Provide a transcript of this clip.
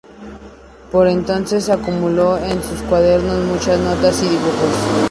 Por entonces acumuló en sus cuadernos muchas notas y dibujos.